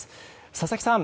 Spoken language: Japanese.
佐々木さん